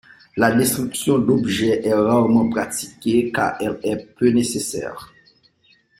La destruction d'objet est rarement pratiquée car elle est peu nécessaire.